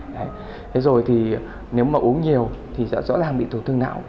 đấy rồi thì nếu mà uống nhiều thì sẽ rõ ràng bị tổn thương não